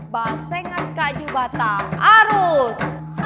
basingan kak jubata arus